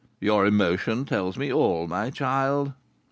"Your emotion tells me all, my child."